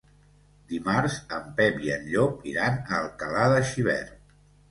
Dimarts en Pep i en Llop iran a Alcalà de Xivert.